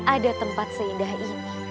ada tempat seindah ini